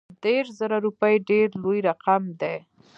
دېرش زره روپي ډېر لوی رقم دی.